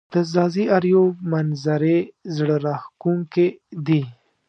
د ځاځي اریوب منظزرې زړه راښکونکې دي